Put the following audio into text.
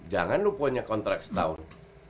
jangan lu punya kontrak setahun